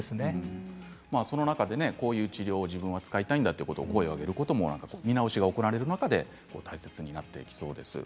その中で自分はこういう治療を使いたいんだと声を上げることが見直しが行われる中で大切になっていくということです。